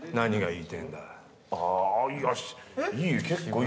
いい！